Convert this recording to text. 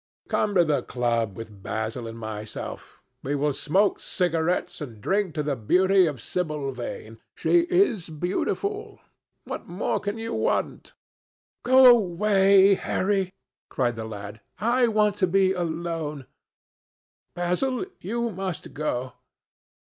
Come to the club with Basil and myself. We will smoke cigarettes and drink to the beauty of Sibyl Vane. She is beautiful. What more can you want?" "Go away, Harry," cried the lad. "I want to be alone. Basil, you must go.